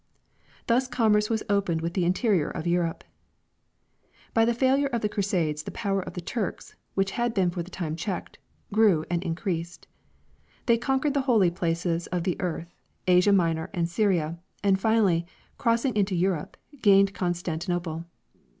Thus commerce was opened with the interior of Europe. B}^ the failure of the Crusades the power of the Turks, 1450. which had been for the time checked, grew and increased. They conquered the holy places of the earth, Asia Minor and Syria, and finally, crossing into Europe, gained Constanti nople.